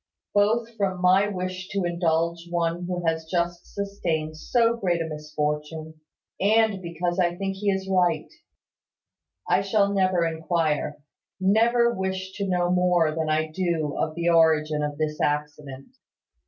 Both from my wish to indulge one who has just sustained so great a misfortune, and because I think he is right, I shall never inquire, never wish to know more than I do of the origin of this accident.